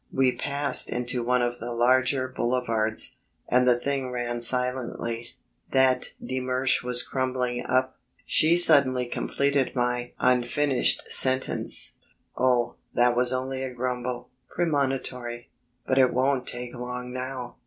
We passed into one of the larger boulevards, and the thing ran silently. "That de Mersch was crumbling up," she suddenly completed my unfinished sentence; "oh, that was only a grumble premonitory. But it won't take long now.